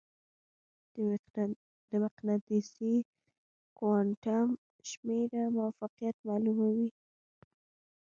د مقناطیسي کوانټم شمېره موقعیت معلوموي.